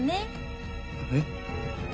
えっ？